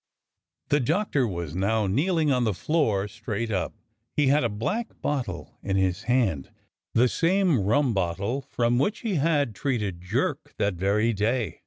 The Doctor was now kneeling on the floor straight up. He had a black bottle in his hand; the same rum bottle from which he had treated Jerk that very day.